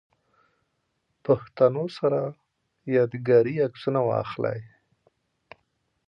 پښتنو سره ياد ګاري عکسونه واخلئ